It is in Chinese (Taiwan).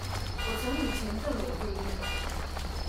我曾與前政委會面